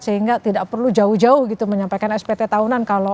sehingga tidak perlu jauh jauh gitu menyampaikan spt tahunan